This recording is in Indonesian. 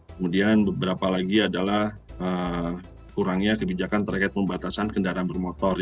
kemudian beberapa lagi adalah kurangnya kebijakan terkait pembatasan kendaraan bermotor